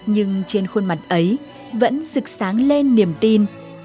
nhưng trên khuôn mặt ấy vẫn rực sáng lên niềm tin